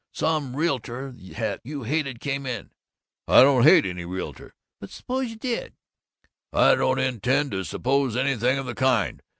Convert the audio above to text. " some realtor that you hated came in " "I don't hate any realtor." "But suppose you did!" "I don't intend to suppose anything of the kind!